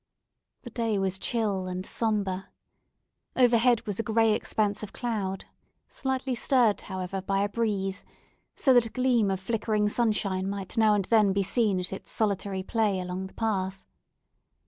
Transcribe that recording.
The day was chill and sombre. Overhead was a gray expanse of cloud, slightly stirred, however, by a breeze; so that a gleam of flickering sunshine might now and then be seen at its solitary play along the path.